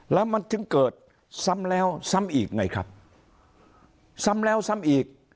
แล้วมันถึงเกิดซ้ำแล้วซ้ำอีกไงครับซ้ำแล้วซ้ำอีก